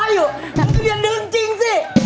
มันก็เรียนหนึ่งจริงสิ